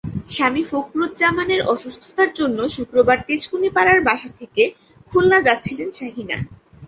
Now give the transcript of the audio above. স্বামী ফকরুজ্জামানের অসুস্থতার জন্য শুক্রবার তেজকুনিপাড়ার বাসা থেকে খুলনা যাচ্ছিলেন শাহিনা।